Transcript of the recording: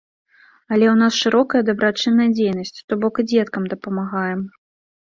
Але ў нас шырокая дабрачынная дзейнасць, то бок і дзеткам дапамагаем.